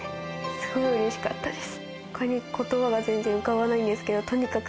すごいうれしかったです。